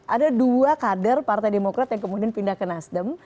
ada dua kader partai demokrat yang kemudian pindah ke nasdem